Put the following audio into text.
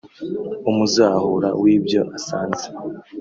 umuzahura w’ibyo asanze